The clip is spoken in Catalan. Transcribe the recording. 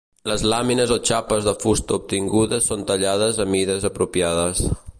Les làmines o xapes de fusta obtingudes són tallades a mides apropiades.